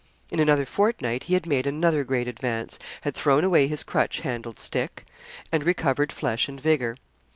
In another fortnight he had made another great advance, had thrown away his crutch handled stick, and recovered flesh and vigour.